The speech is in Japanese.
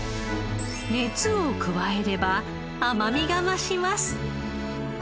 熱を加えれば甘みが増します。